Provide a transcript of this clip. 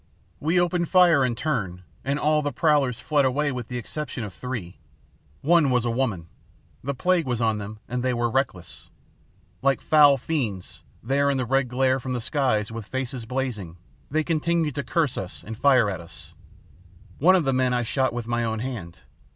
We opened fire in turn, and all the prowlers fled away with the exception of three. One was a woman. The plague was on them and they were reckless. Like foul fiends, there in the red glare from the skies, with faces blazing, they continued to curse us and fire at us. One of the men I shot with my own hand.